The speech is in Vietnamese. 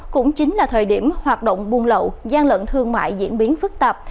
cũng chính là thời điểm hoạt động buôn lậu gian lận thương mại diễn biến phức tạp